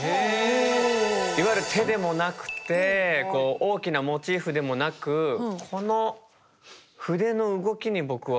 いわゆる手でもなくて大きなモチーフでもなくこの筆の動きに僕はかなりエネルギーを感じました。